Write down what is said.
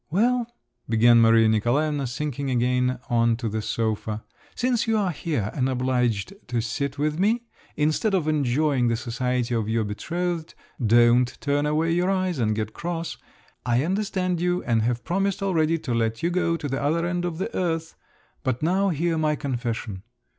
"Well," began Maria Nikolaevna, sinking again on to the sofa. "Since you are here and obliged to sit with me, instead of enjoying the society of your betrothed—don't turn away your eyes and get cross—I understand you, and have promised already to let you go to the other end of the earth—but now hear my confession.